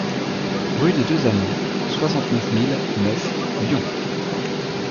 Rue des Deux Amants, soixante-neuf mille neuf Lyon